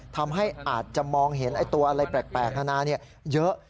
ทำให้อาจจะมองเห็นตัวอะไรแปลกนาเยอะ